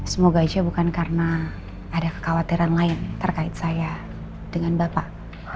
semoga aja bukan karena ada kekhawatiran lain terkait saya dengan bapak